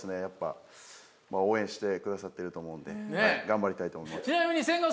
やっぱ応援して下さってると思うんで頑張りたいと思います。